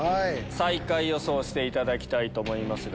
最下位予想していただきたいと思います。